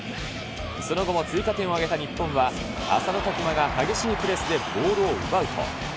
その後も追加点を挙げた日本は、浅野拓磨が激しいプレスでボールを奪うと。